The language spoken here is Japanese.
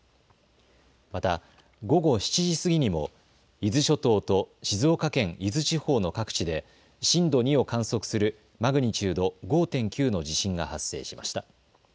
また午後７時過ぎにも伊豆諸島と静岡県伊豆地方の各地で震度２を観測するマグニチュード５．９の地震が発生しました。